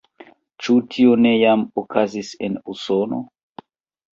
Ĉu tio ne jam okazis en Usono?